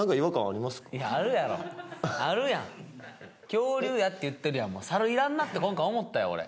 いやあるやろあるやん「恐竜や」って言ってるやん「もうサルいらんな」って今回思ったよ